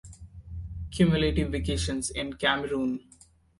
Cumulative vaccinations in Cameroon